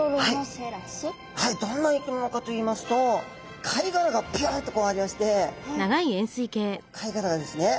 はいどんな生き物かといいますと貝殻がピュッとありまして貝殻がですね。